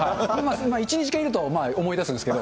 １、２時間すると思い出すんですけど。